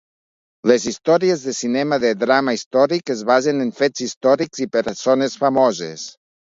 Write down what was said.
Les històries de cinema de drama històric es basen en fets històrics i persones famoses.